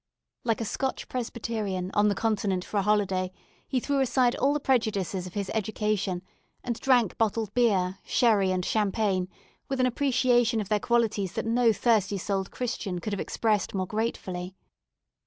Like a Scotch Presbyterian, on the Continent for a holiday, he threw aside all the prejudices of his education, and drank bottled beer, sherry, and champagne with an appreciation of their qualities that no thirsty souled Christian could have expressed more gratefully.